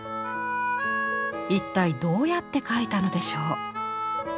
一体どうやって描いたのでしょう。